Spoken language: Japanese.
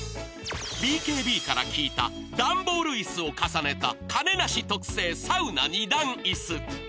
ＢＫＢから聞いた段ボールいすを重ねたカネ梨特製サウナ２段いす。